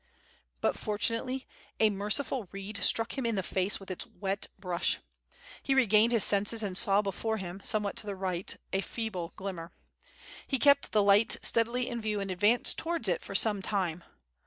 But fortunately a merciful reed struck him in the face with its wet brush. He regained his senses and saw before liim, somewhat to the right, a feeble glimmer. He kept the light steadily in view and advanced towards it for some time.